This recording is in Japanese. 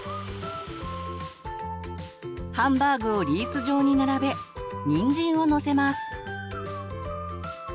ハンバーグをリース状に並べにんじんをのせます。